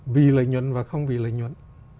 vì lợi nhuận và không vì lợi nhuận